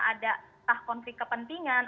ada tah konflik kepentingan